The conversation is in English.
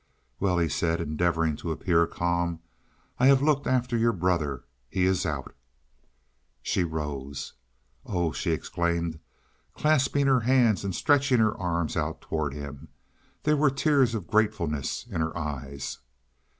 "Well," he said, endeavoring to appear calm, "I have looked after your brother. He is out." She rose. "Oh," she exclaimed, clasping her hands and stretching her arms out toward him. There were tears of gratefulness in her eyes.